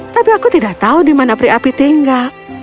tapi aku tidak tahu di mana peri api tinggal